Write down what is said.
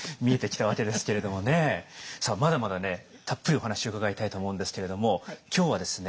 さあまだまだねたっぷりお話伺いたいと思うんですけれども今日はですね